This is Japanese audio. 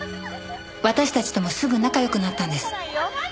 私たちともすぐ仲良くなったんです。